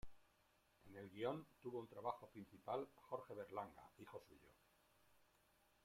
En el guion tuvo un trabajo principal Jorge Berlanga, hijo suyo.